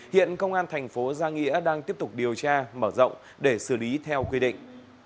hiện công an thành phố gia nghĩa đang tiếp tục điều tra mở rộng để xử lý theo quy định